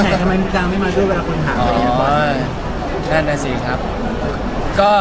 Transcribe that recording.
ไหนทำไมไม่มาด้วยเวลาคนหาอ๋อแน่นน่าสิครับก็